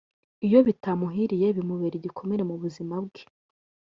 iyo bitamuhiriye bimubera igikomere mu buzima bwe